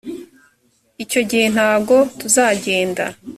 icyo gihe ntago tuzagenda